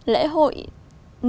nổi tiếng nổi tiếng